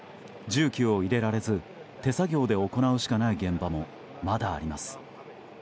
重機を入れられず手作業で行うしかない現場もまだあります。